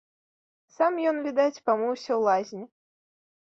Сам ён, відаць, памыўся ў лазні.